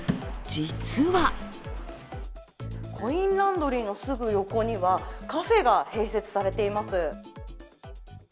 実はコインランドリーのすぐ横にはカフェが併設されています。